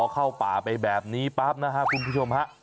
เข้าป่าไปแบบนี้ปั๊บหน่าฮะคุณผู้ชมครับ